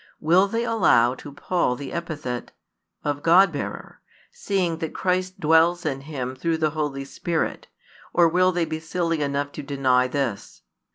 Will they allow to Paul the epithet; of God bearer, seeing that Christ dwells in him through the Holy Spirit, or will they be silly enough to deny this?